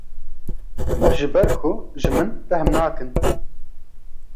ji ber ku ji min fehm nakin.